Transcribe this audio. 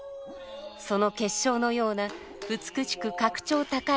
その結晶のような美しく格調高い芸に迫ります。